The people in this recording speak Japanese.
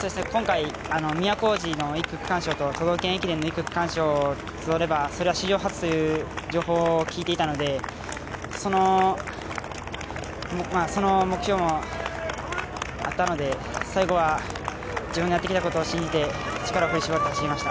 都大路の区間新記録と都道府県駅伝の区間記録をとれば史上初という情報を聞いていたのでその目標もあったので最後は、自分のやってきたことを信じて力を振り絞って走りました。